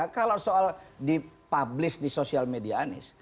kalau soal dipublis di sosial media anies